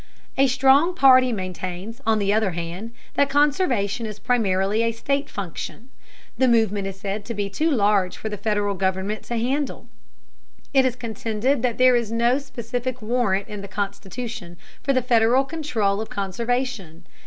A strong party maintains, on the other hand, that conservation is primarily a state function. The movement is said to be too large for the Federal government to handle. It is contended that there is no specific warrant in the Constitution for the Federal control of conservation.